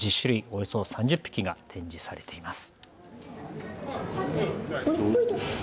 およそ３０匹が展示されています。